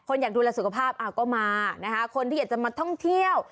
อยากดูแลสุขภาพก็มานะคะคนที่อยากจะมาท่องเที่ยว